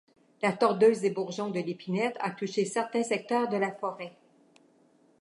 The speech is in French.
La Tordeuse des bourgeons de l'épinette a touché certains secteurs de la forêt.